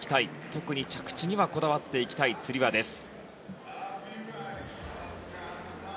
特に着地にはこだわっていきたいつり輪です。